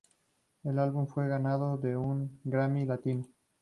El álbum fue ganador de un Grammy latino.